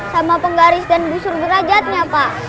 sama penggaris dan busur derajatnya pak